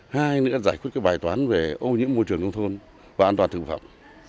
hai nữa giải quyết các bài toán về ô nhiễm môi trường nông thôn và an toàn thực phẩm